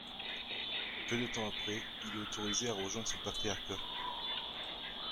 Peu de temps après, il est autorisé à rejoindre son patriarcat.